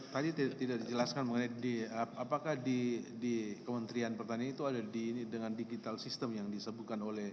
tadi tidak dijelaskan mengenai di apakah di kementerian pertanian itu ada dengan digital system yang disebutkan oleh